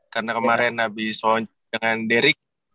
karena kemarin habis lonceng dengan derik